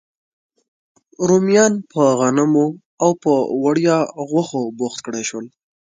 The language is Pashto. رومیان په غنمو او په وړیا غوښو بوخت کړای شول.